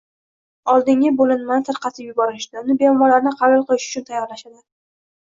Oldingi bo`linmani tarqatib yuborishdi, uni bemorlarni qabul qilish uchun tayyorlashadi